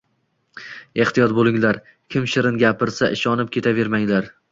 Ehtiyot bo‘linglar, kim shirin gapirsa ishonib ketavermanglar.